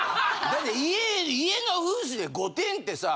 だって家の風水で５点ってさ